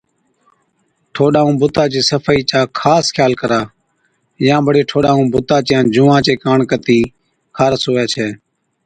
ٺوڏا ائُون بُتا چِي صفائِي چا خاص خيال ڪرا يان بڙي ٺوڏا ائُون بُتا چِيا جُونئان چي ڪاڻ ڪتِي خارس هُوَي ڇَي